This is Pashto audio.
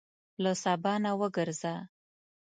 له سبا نه وګرځه.